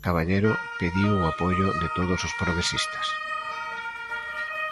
Caballero pediu o apoio de todos os progresistas.